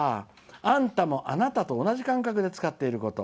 「あんたもあなたと同じ感覚で使っているとのこと。